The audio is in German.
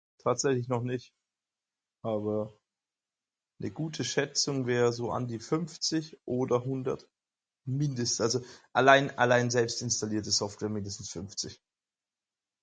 Tatsächlich noch nicht. Aber ne gute Schätzung wär so an die fünfzig oder hundert mindest also allein allein selbst installierte Software mindestens fünfzig.